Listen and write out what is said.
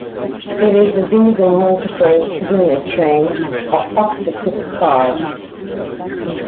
It is a diesel multiple unit train of up to six cars.